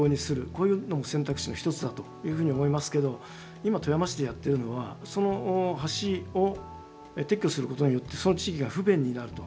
こういうのも選択肢の一つだというふうに思いますけど今富山市でやってるのはその橋を撤去することによってその地域が不便になると。